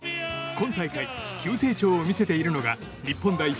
今大会急成長を見せているのが日本代表